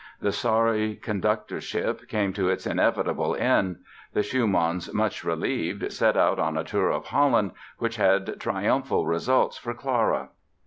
The sorry conductorship came to its inevitable end. The Schumanns, much relieved, set out on a tour of Holland which had triumphal results for Clara.